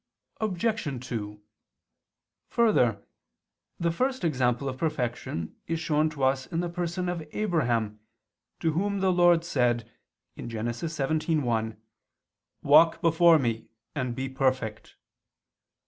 Obj. 2: Further, the first example of perfection is shown to us in the person of Abraham, to whom the Lord said (Gen. 17:1): "Walk before Me, and be perfect."